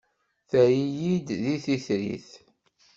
Terra-iyi d titrit.